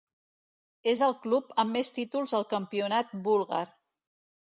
És el club amb més títols al campionat búlgar.